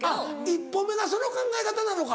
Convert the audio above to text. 一歩目がその考え方なのか。